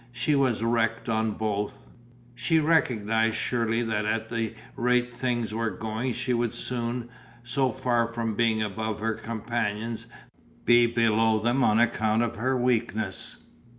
She was wrecked on both. She recognised surely that at the rate things were going she would soon, so far from being above her companions, be below them on account of her weakness.